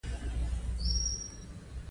موږ خپل هویت ساتو